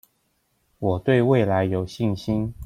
我對未來有信心